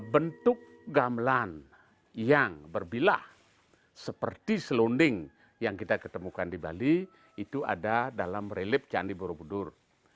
bentuk gamelan yang berbilah seperti selonding yang kita ketemukan di bali itu ada dalam relip candi borobudur